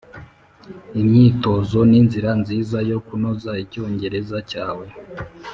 imyitozo ninzira nziza yo kunoza icyongereza cyawe